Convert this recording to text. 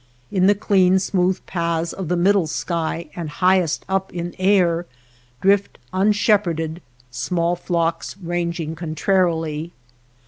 In the clean, smooth paths of the middle sky and highest up in air, drift, unshepherded, small flocks ranging contrarily.